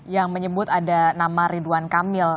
yang menyebut ada nama ridwan kamil